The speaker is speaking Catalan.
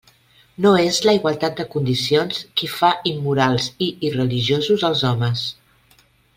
No és la igualtat de condicions qui fa immorals i irreligiosos els homes.